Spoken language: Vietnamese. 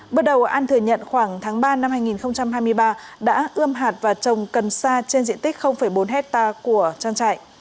bước đầu an thừa nhận khoảng tháng ba năm hai nghìn hai mươi ba đã ươm hạt và trồng cần sa trên diện tích bốn hectare của trang trại